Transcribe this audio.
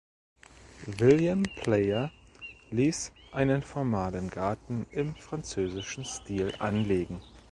William Player ließ einen formalen Garten im französischen Stil anlegen.